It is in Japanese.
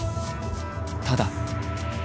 ただ」。